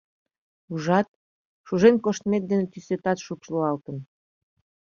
— Ужат, шужен коштмет дене тӱсетат шупшылалтын.